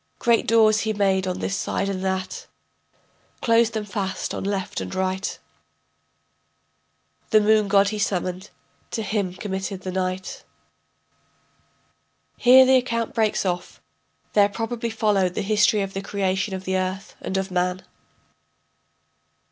Great doors he made on this side and that, Closed them fast on left and right. The moon god he summoned, to him committed the night. [Here the account breaks off; there probably followed the history of the creation of the earth and of man.